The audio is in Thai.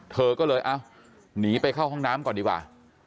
เธอก็เลยเอาหนีไปเข้าห้องน้ำก่อนดีกว่า